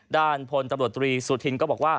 ด้านพลตำรวจตรีสุธินก็บอกว่า